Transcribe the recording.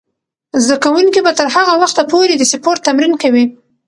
زده کوونکې به تر هغه وخته پورې د سپورت تمرین کوي.